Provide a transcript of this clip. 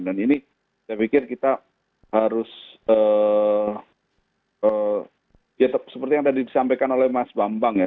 dan ini saya pikir kita harus ya seperti yang tadi disampaikan oleh mas bambang ya